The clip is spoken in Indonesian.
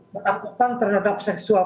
perakutan terhadap seksual